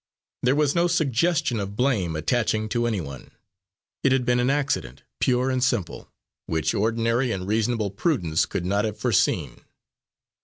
There was no suggestion of blame attaching to any one; it had been an accident, pure and simple, which ordinary and reasonable prudence could not have foreseen.